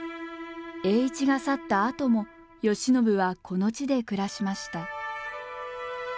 栄一が去ったあとも慶喜はこの地で暮らしました。